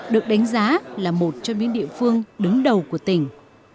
được đánh giá là một trong những địa phương đứng đầu của tỉnh